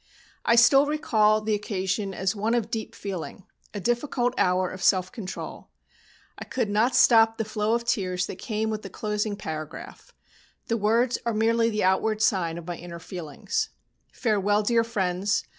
I still recall the occasion as one of deep feeling a difficult hour of self control. I could not stop the flow of tears that came with the closing paragraph. The words are merely the outward sign of my inner feelings: "Farewell, dear friends.